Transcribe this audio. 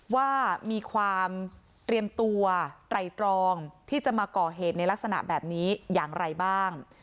ว่ามีความเตรียมตัวไตรตรองที่จะมาก่อเหตุในลักษณะแบบนี้อย่างไรบ้าง